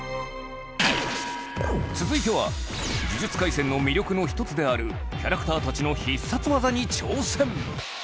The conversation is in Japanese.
続いては『呪術廻戦』の魅力の一つであるキャラクターたちの必殺技に挑戦！